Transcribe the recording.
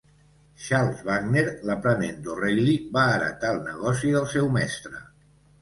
Charles Wagner, l'aprenent d'O'Reilly va heretà el negoci del seu mestre.